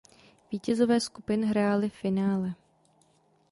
Vítězové skupin hráli finále.